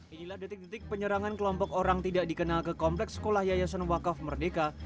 inilah detik detik penyerangan kelompok orang tidak dikenal ke kompleks sekolah yayasan wakaf merdeka